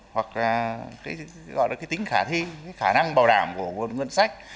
hoặc là cái gọi là cái tính khả thi cái khả năng bảo đảm của nguồn sách